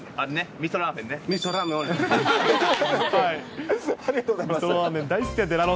みそラーメン。